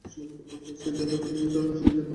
তবে, ফিল্ডিংয়ের কারণে সুবিধে পাননি তিনি।